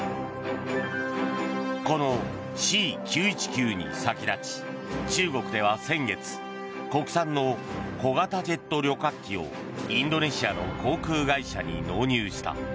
このＣ９１９に先立ち中国では先月国産の小型ジェット旅客機をインドネシアの航空会社に納入した。